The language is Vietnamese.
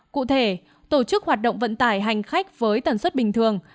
cụ thể tổ chức hoạt động vận tải hành khách với tần suất bình thường